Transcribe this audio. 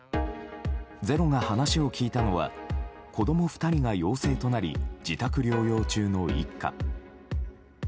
「ｚｅｒｏ」が話を聞いたのは子供２人が陽性となり自宅療養中の一家。